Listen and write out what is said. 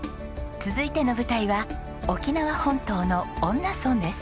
続いての舞台は沖縄本島の恩納村です。